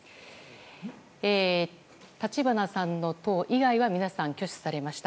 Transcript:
立花さんの党以外は皆さん、挙手されました。